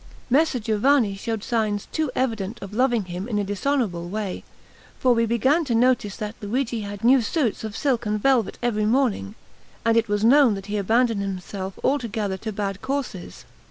Messer Giovanni showed signs too evident of loving him in a dishonourable way; for we began to notice that Luigi had new suits of silk and velvet every morning, and it was known that he abandoned himself altogether to bad courses.